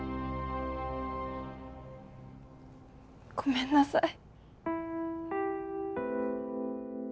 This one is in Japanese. ごめんなさい。